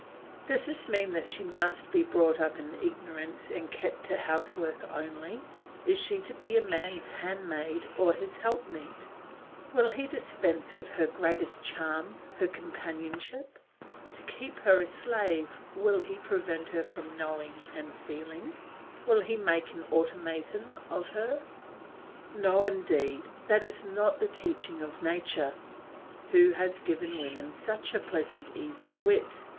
Does this mean that she must be brought up in ignorance and kept to housework only? Is she to be man's handmaid or his help meet? Will he dispense with her greatest charm, her companionship? To keep her a slave will he prevent her knowing and feeling? Will he make an automaton of her? No, indeed, that is not the teaching of nature, who has given women such a pleasant easy wit.